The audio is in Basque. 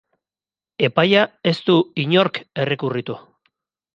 Epaia ez du inork errekurritu.